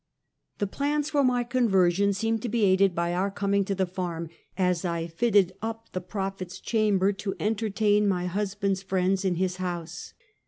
The plans for ray conversion seemed to be aided by our coming to the farm, as I fitted up the " prophet's chamber " to entertain my husband's friends in his house.